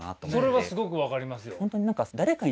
それはすごく分かりますよ。